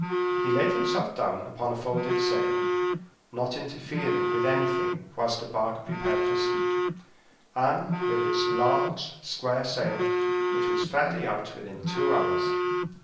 He laid himself down upon a folded sail, not interfering with anything whilst the bark prepared for sea; and, with its large square sail, it was fairly out within two hours.